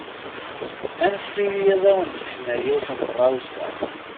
Anfem-iyi ad wen-d-sekneɣ yiwet n tɣawsa.